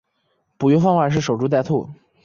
捕鱼方法是守株待兔。